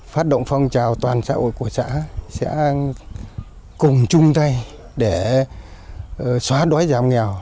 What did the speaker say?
phát động phong trào toàn xã hội của xã sẽ cùng chung tay để xóa đói giảm nghèo